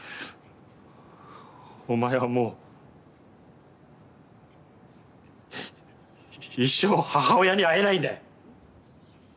お前はもう一生母親に会えないんだよ！